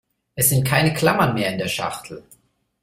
Es sind keine Klammern mehr in der Schachtel.